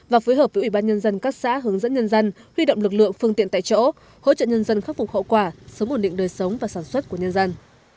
và phối hợp với ủy ban nhân dân các xã hướng dẫn nhân dân huy động lực lượng phương tiện tại chỗ hỗ trợ nhân dân khắc phục hậu quả sớm ổn định đời sống và sản xuất của nhân dân